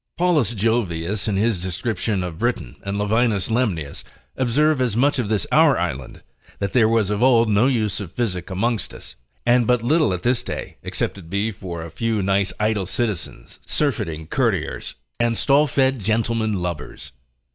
Paulus Jovius in his description of Britain, and Levinus Lemnius, observe as much of this our island, that there was of old no use of physic amongst us, and but little at this day, except it be for a few nice idle citizens, surfeiting courtiers, and stall fed gentlemen lubbers.